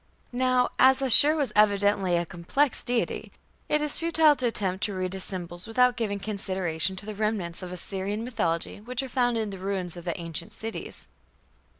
Now, as Ashur was evidently a complex deity, it is futile to attempt to read his symbols without giving consideration to the remnants of Assyrian mythology which are found in the ruins of the ancient cities.